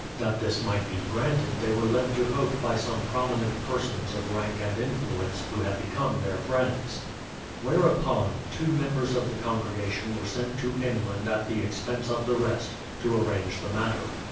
That this might be granted they were led to hope by some prominent persons of rank and influ ence, who had become their friends. Whereupon, two members of the congregation were sent to England at the expense of the rest, to arrange the matter.